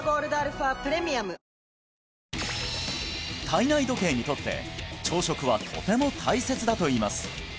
体内時計にとって朝食はとても大切だといいます